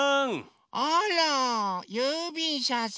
あらゆうびんしゃさん！